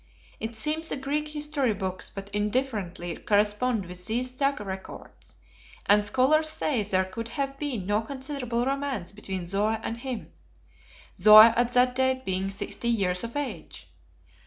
It seems the Greek History books but indifferently correspond with these Saga records; and scholars say there could have been no considerable romance between Zoe and him, Zoe at that date being 60 years of age!